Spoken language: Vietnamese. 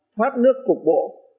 thoát nước cục bộ